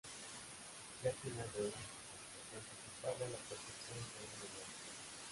Ya al final del se anticipaba la percepción de un hedor.